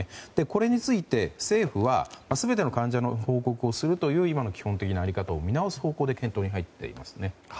これについて、政府は全ての患者の報告をするという今の基本的な在り方を見直す方向で検討に入っていますね。